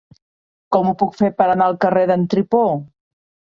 Com ho puc fer per anar al carrer d'en Tripó?